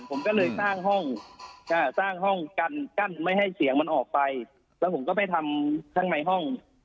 ผมก็เลยสร้างห้องสร้างห้องกันกั้นไม่ให้เสียงมันออกไปแล้วผมก็ไปทำข้างในห้อง